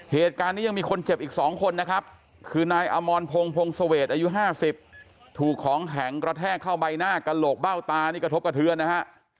เหตุการณ์นี้ยังมีคนเจ็บอีก๒คนนะครับคือนายอมรพงศ์พงศวรรษอายุ๕๐ถูกของแข็งกระแทกเข้าใบหน้ากระโหลกเบ้าตานี่กระทบกระเทือนนะฮะ